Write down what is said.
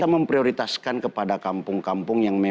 memprioritaskan kepada kampung kampung yang memang